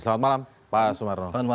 selamat malam pak sumarno